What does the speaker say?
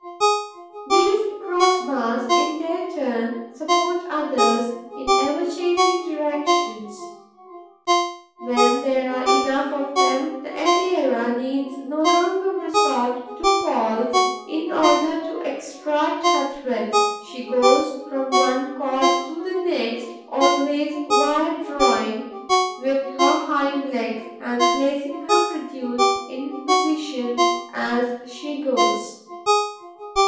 These cross bars, in their turn, support others in ever changing directions. When there are enough of them, the Epeira need no longer resort to falls in order to extract her threads; she goes from one cord to the next, always wire drawing with her hind legs and placing her produce in position as she goes.